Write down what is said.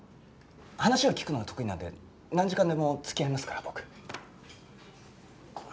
話を聞くのは得意なんで何時間でも付き合いますから僕。